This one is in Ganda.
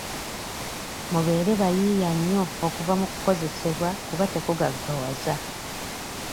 Mubeere bayiiya nnyo okuva mu kukozesebwa kuba tekugaggawaza.